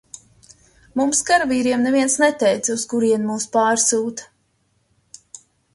Mums karavīriem neviens neteica uz kurieni mūs pārsūta.